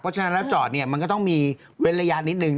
เพราะฉะนั้นแล้วจอดเนี่ยมันก็ต้องมีเว้นระยะนิดนึง